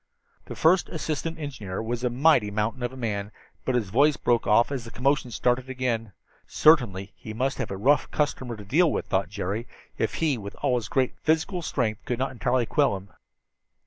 The first assistant engineer was a mighty mountain of a man, but his voice broke off as the commotion started again. Certainly he must have a rough customer to deal with, thought Jerry, if he, with all his great physical strength, could not entirely quell him.